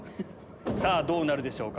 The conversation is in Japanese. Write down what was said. さぁどうなるでしょうか？